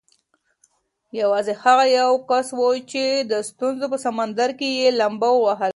یوازې هغه یو کس و چې د ستونزو په سمندر کې یې لامبو ووهله.